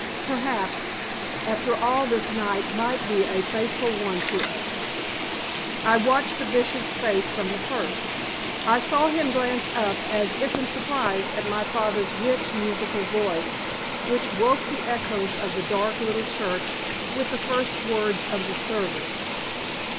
Perhaps, after all this night might be a fateful one to us. I watched the Bishop's face from the first. I saw him glance up as if in surprise at my father's rich, musical voice, which woke the echoes of the dark little church with the first words of the service.